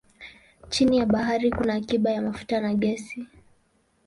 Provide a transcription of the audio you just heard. Chini ya bahari kuna akiba za mafuta na gesi.